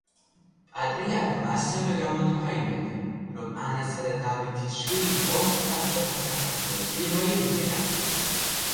პატრიარქმა ასევე გამოთქვა იმედი, რომ ანასა და დავითის შვილი პოსტ-საბჭოთა საქართველოს პირველი მეფე გახდება.